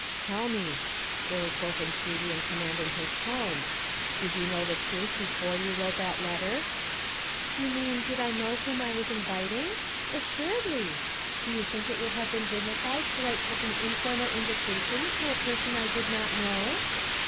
'Tell me,' there was both entreaty and command in his tone, 'did you know the truth before you wrote that letter?' 'You mean, did I know whom I was inviting? Assuredly! Do you think it would have been dignified to write such an informal invitation to a person I did not know?'